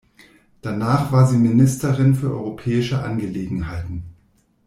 Danach war sie Ministerin für Europäische Angelegenheiten.